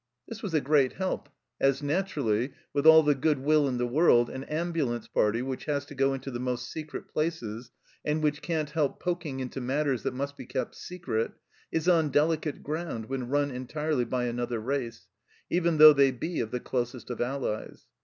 This was a great help, as naturally, with all the good will in the world, an ambulance party, which has to go into the most secret places and which can't help poking into matters that must be kept secret, is on delicate ground when run entirely by another race, even though they be the closest of allies.